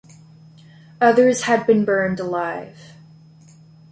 Others had been burned alive.